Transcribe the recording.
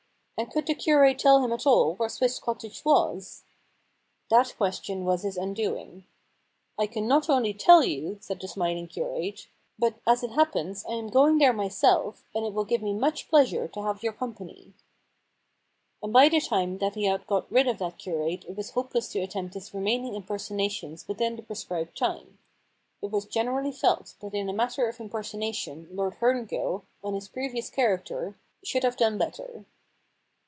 And could the curate tell him at all where Swiss Cottage was ? That question was his undoing. * I can not only tell you,* said the smiling curate, * but, as it happens, I am going there myself, p.c. 157 L The Problem Club and it will give me much pleasure to have your company/ And by the time that he had got rid of that curate it was hopeless to attempt his remaining impersonations within the pre scribed time. It was generally felt that in a matter of impersonation Lord Herngill, on his previous character, should have done better.